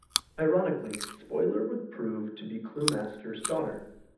Ironically, Spoiler would prove to be Cluemaster's daughter.